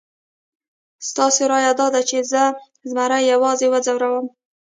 ستاسې رایه داده چې زه زمري یوازې وځوروم؟